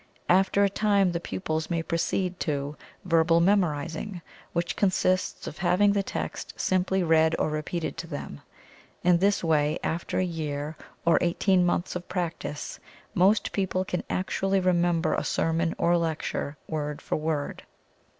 After a time the pupils may proceed to verbal memorizing, which consists of having the text simply read or repeated to them. In this way, after a year or eighteen months of practice, most people can actually remember a sermon or lecture, word for word.